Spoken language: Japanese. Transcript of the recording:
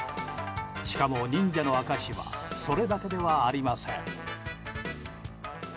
しかも、忍者の証しはそれだけではありません。